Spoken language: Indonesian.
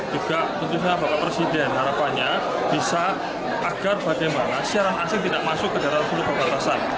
juga tentunya bapak presiden harapannya bisa agar bagaimana siaran asing tidak masuk ke dalam seluruh perbatasan